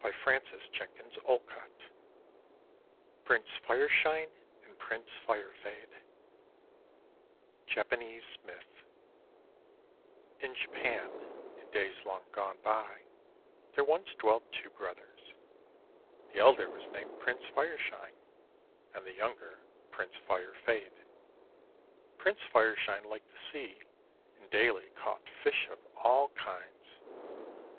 PRINCE FIRESHINE 227 PRINCE FIRESHINE AND PRINCE FIREFADE Japanese Myth IN Japan, in days long gone by, there once dwelt two brothers. The elder was named Prince Fireshine and the younger Prince Firefade. Prince Fireshine liked the sea, and daily caught fish of all kinds.